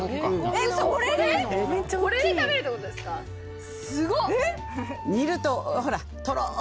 これで食べるってことですかすごっえっ？